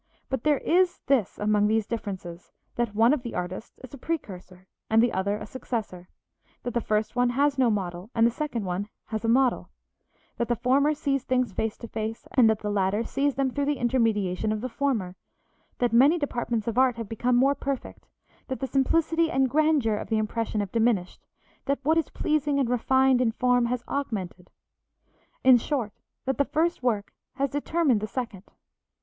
But there is this among these differences, that one of the artists is a precursor and the other a successor, that the first one has no model and the second one has a model; that the former sees things face to face, and that the latter sees them through the intermediation of the former, that many departments of art have become more perfect, that the simplicity and grandeur of the impression have diminished, that what is pleasing and refined in form has augumented in short, that the first work has determined the second.